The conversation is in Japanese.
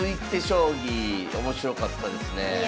将棋面白かったですねえ。